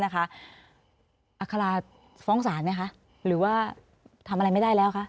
อาคาราฟ้องศาลไหมคะหรือว่าทำอะไรไม่ได้แล้วคะ